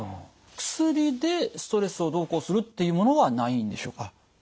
薬でストレスをどうこうするっていうものはないんでしょうか？